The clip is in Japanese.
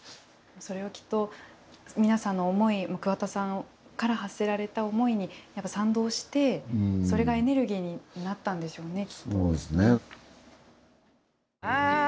それは、きっと皆さんの思い、桑田さんから発せられた思いに賛同してそれがエネルギーにそうですね。